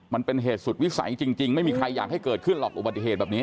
มันเป็นเหตุสุดวิสัยจริงไม่มีใครอยากให้เกิดขึ้นหรอกอุบัติเหตุแบบนี้